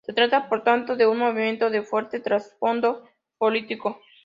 Se trata, por tanto, de un movimiento de fuerte trasfondo político.